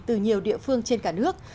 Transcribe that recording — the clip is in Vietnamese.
từ nhiều địa phương trên cả nước